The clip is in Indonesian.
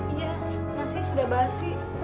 iya nasinya sudah basi